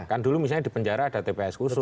kan dulu misalnya di penjara ada tps khusus